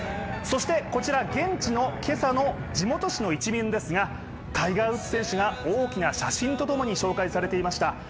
そしてこちら現地の今朝の地元紙の１面ですがタイガー・ウッズ選手が大きな写真とともに紹介されていました。